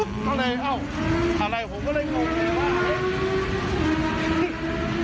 ก็เลยเอ้าอะไรผมก็เลย